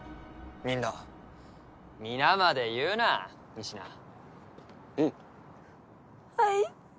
みんな皆まで言うな仁科うんはい？